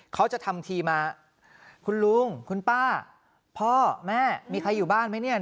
เขาจะทำทีมาคุณลุงคุณป้าพ่อแม่มีใครอยู่บ้านไหมเนี่ย